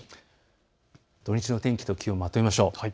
土日の天気と気温をまとめましょう。